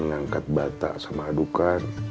ngangkat bata sama adukan